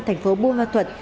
thành phố bú ma thuật